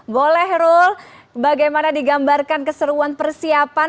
boleh rule bagaimana digambarkan keseruan persiapan